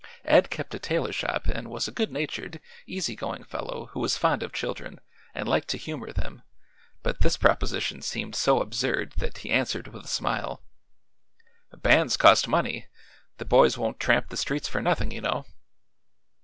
Ed kept a tailor shop and was a good natured, easy going fellow who was fond of children and liked to humor them, but this proposition seemed so absurd that he answered with a smile: "Bands cost money. The boys won't tramp the streets for nothing, you know."